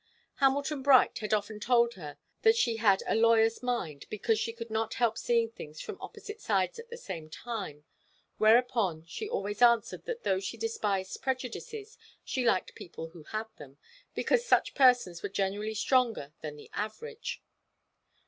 Hamilton Bright had often told her that she had a lawyer's mind, because she could not help seeing things from opposite sides at the same time, whereupon she always answered that though she despised prejudices, she liked people who had them, because such persons were generally stronger than the average.